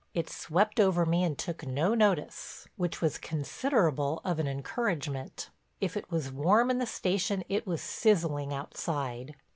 It swept over me and took no notice, which was considerable of an encouragement. If it was warm in the station, it was sizzling outside.